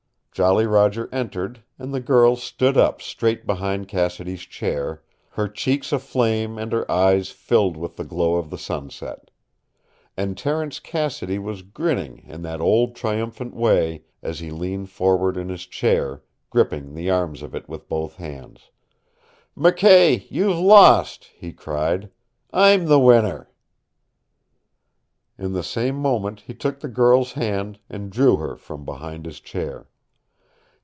Jolly Roger entered, and the girl stood up straight behind Cassidy's chair, her cheeks aflame and her eyes filled with the glow of the sunset. And Terence Cassidy was grinning in that old triumphant way as he leaned forward in his chair, gripping the arms of it with both hands. "McKay, you've lost," he cried. "I'm the winner!" In the same moment he took the girl's hand and drew her from behind his chair.